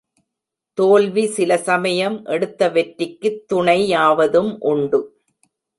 தோல்வி சில சமயம் எடுத்த வெற்றிக்குத் துணை யாவதும் உண்டு.